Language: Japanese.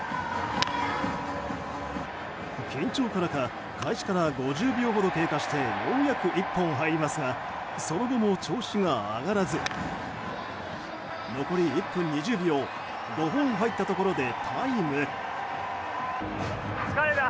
緊張からか開始から５０秒ほど経過してようやく１本入りますがその後も調子が上がらず残り１分２０秒５本入ったところでタイム。